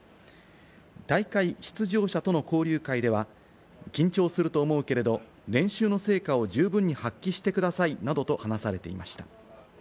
大会出場者との交流会では緊張すると思うけれど、練習の成果を十分に発揮してくださいなどと話されていました。